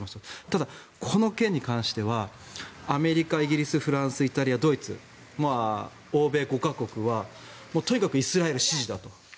ただ、この件に関してはアメリカ、イギリス、フランスイタリア、ドイツ欧米５か国はとにかくイスラエル支持だと。